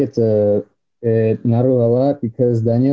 itu pengaruh banyak karena daniel